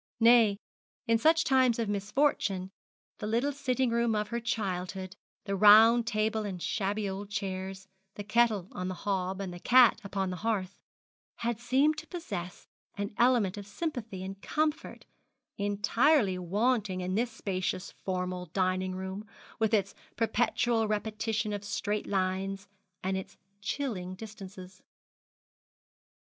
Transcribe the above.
Nay, in such times of misfortune, the little sitting room of her childhood, the round table and shabby old chairs, the kettle on the hob, and the cat upon the hearth, had seemed to possess an element of sympathy and comfort entirely wanting in this spacious formal dining room, with its perpetual repetition of straight lines, and its chilling distances.